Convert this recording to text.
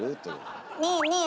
ねえねえ